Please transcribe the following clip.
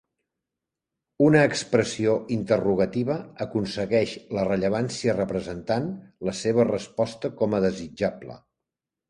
Una expressió interrogativa aconsegueix la rellevància representant la seva resposta com a desitjable.